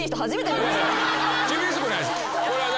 厳しくないです。